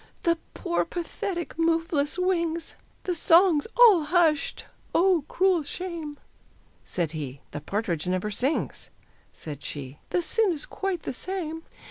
"The poor, pathetic moveless wings!" The songs all hushed "Oh, cruel shame!" Said he, "The partridge never sings," Said she, "The sin is quite the same."